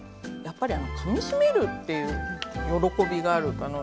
やっぱりあのかみしめるっていう喜びがある。